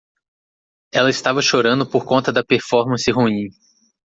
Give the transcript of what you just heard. Ela estava chorando por conta da performance ruim.